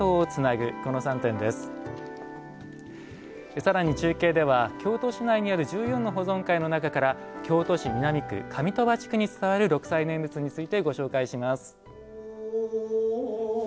さらに中継では京都市内にある１４の保存会の中から京都市南区、上鳥羽地区に伝わる六斎念仏についてご紹介いたします。